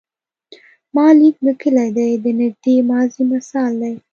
ما لیک لیکلی دی د نږدې ماضي مثال دی.